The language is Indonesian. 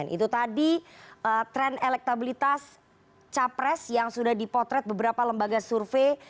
itu tadi tren elektabilitas capres yang sudah dipotret beberapa lembaga survei